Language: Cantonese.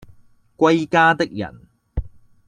歸家的人